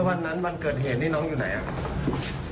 วันนั้นวันเกิดเหตุนี่น้องอยู่ไหนครับ